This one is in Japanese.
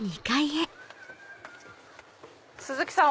鈴木さん